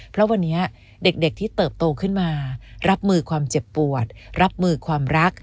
เพราะวันนี้เด็กที่เติบโตขึ้นมารับมือความเจ็บปวดรับมือความรัก